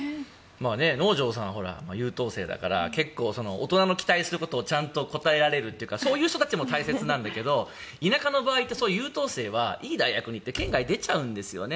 能條さん、優等生だから大人の期待することにちゃんと応えられるというかそういう人たちも大切なんだけど田舎の場合はそういう優等生はいい大学に行って県外に出ちゃうんですよね。